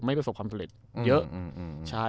ประสบความสำเร็จเยอะ